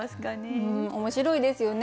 面白いですよね。